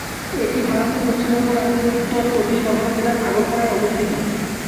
এটি ভারতের পশ্চিমবঙ্গ রাজ্যের উত্তর চব্বিশ পরগণা জেলার আগরপাড়ায় অবস্থিত।